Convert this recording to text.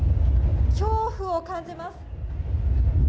恐怖を感じます。